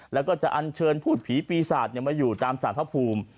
แล้วก็จะอันเชิญพูดผีปีศาจมาอยู่ตามสารพระภูมิ